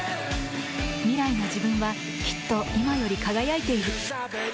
未来の自分はきっと今より輝いている。